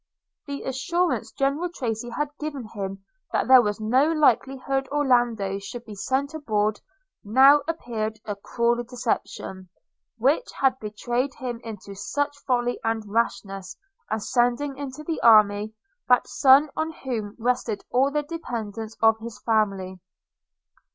The assurance General Tracy had given him that there was no likelihood Orlando should be sent abroad, now appeared a cruel deception, which had betrayed him into such folly and rashness as sending into the army that son on whom rested all the dependence of his family.